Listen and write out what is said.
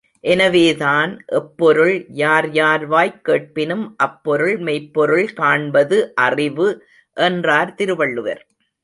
எனவேதான் எப்பொருள் யார்யார் வாய்க் கேட்பினும் அப்பொருள் மெய்ப்பொருள் காண்பது அறிவு என்றார் திருவள்ளுவர்.